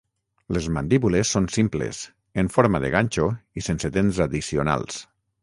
Les mandíbules són simples, en forma de ganxo i sense dents addicionals.